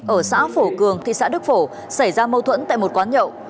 ở xã phổ cường thị xã đức phổ xảy ra mâu thuẫn tại một quán nhậu